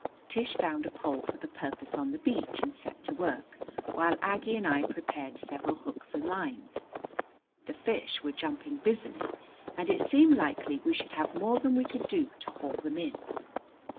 Tish found a pole for the purpose on the beach and set to work, while Aggie and I prepared several hooks and lines. The fish were jumping busily, and it seemed likely we should have more than we could do to haul them in.